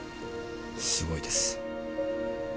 すごいです。